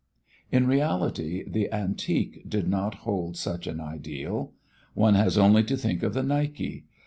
In reality the Antique did not hold such an ideal. One has only to think of the Nike.